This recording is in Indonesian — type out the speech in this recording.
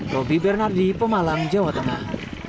roby bernardi pemalang jawa tengah